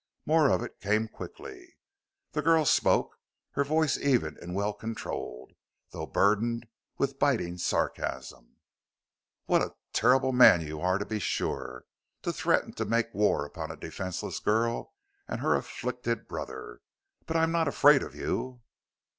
More of it came quickly. The girl spoke, her voice even and well controlled, though burdened with a biting sarcasm: "What a terrible man you are, to be sure, to threaten to make war upon a defenseless girl and her afflicted brother. But I'm not afraid of you!"